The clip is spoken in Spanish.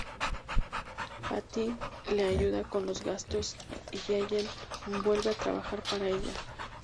Patty le ayuda con los gastos y Ellen vuelve a trabajar para ella.